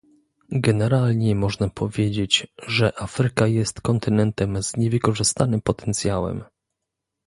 Generalnie można powiedzieć, że Afryka jest kontynentem z niewykorzystanym potencjałem